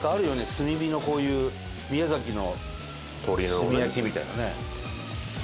炭火のこういう宮崎の炭焼きみたいなね。